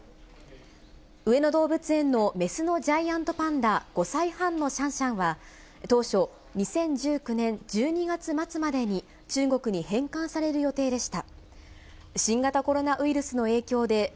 上野動物園の雌のジャイアントパンダ、５歳半のシャンシャンは、当初、２０１９年１２月末までに中国に返還される予定でした。